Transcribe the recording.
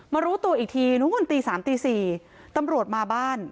มารู้ตัวอีกทีหนึ่งวันตีสามตีสี่ตำรวจมาบ้าน